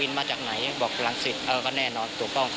โดยก่อนเจอวิง